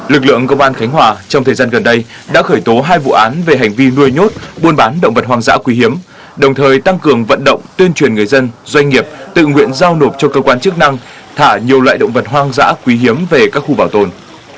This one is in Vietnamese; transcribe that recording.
lực lượng công an khánh hòa trong thời gian gần đây đã khởi tố hai vụ án về hành vi nuôi nhốt buôn bán động vật hoang dã quý hiếm đồng thời tăng cường vận động tuyên truyền người dân doanh nghiệp tự nguyện giao nộp cho cơ quan chức năng thả nhiều loại động vật hoang dã quý hiếm về các khu bảo tồn